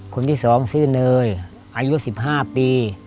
คนที่๒ชื่อเนยอายุ๑๕ปี